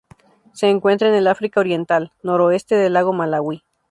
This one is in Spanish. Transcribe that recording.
Se encuentra en el África Oriental: noroeste del lago Malawi.